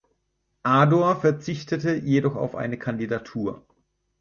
Ador verzichtete jedoch auf eine Kandidatur.